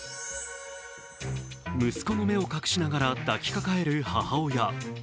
息子の目を隠しながら、抱きかかえる母親。